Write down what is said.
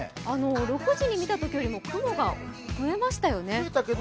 ６時に見たときよりも雲が増えましたね。